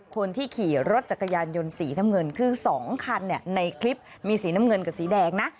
คนที่ขี่รถจักรยานยนต์สีน้ำเงินคือ๒คันในคลิปมีสีน้ำเงินกับสีแดงนะ